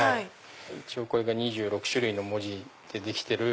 一応２６種類の文字でできてる。